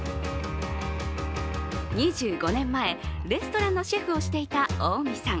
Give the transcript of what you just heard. ２５年前、レストランのシェフをしていた大見さん。